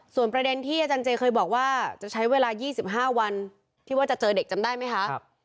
ส่วนประเด็นที่อาจารย์เจเคยบอกว่าจะใช้เวลา๒๕วันที่ว่าจะเจอเด็กจำได้ไหมคะ